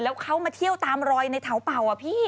แล้วเขามาเที่ยวตามรอยในเถาเป่าอะพี่